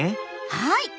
はい！